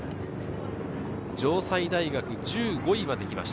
城西大学、１５位まで来ました。